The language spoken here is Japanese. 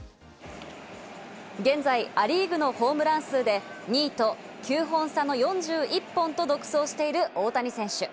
現在、ア・リーグのホームラン数で２位と９本差の４１本と独走している大谷選手。